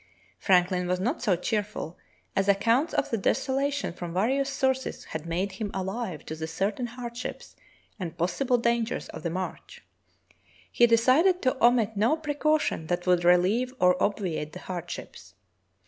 Franklin was not so cheer ful, as accounts of the desolation from various sources had made him alive to the certain hardships and possi ble dangers of the march. He decided to omit no pre caution that would relieve or obviate the hardships.